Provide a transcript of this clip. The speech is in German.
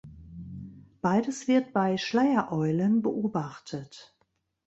Beides wird bei Schleiereulen beobachtet.